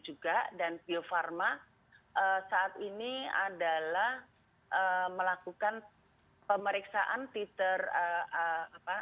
juga dan bio farma saat ini adalah melakukan pemeriksaan titer apa